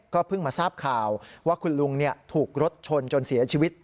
เพิ่งมาทราบข่าวว่าคุณลุงถูกรถชนจนเสียชีวิต